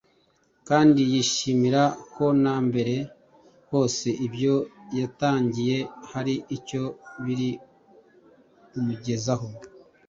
kandi yishimira ko na mbere hose ibyo yatangiye hari icyo biri kumugezaho